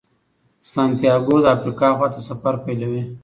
سانتیاګو د افریقا خواته سفر پیلوي.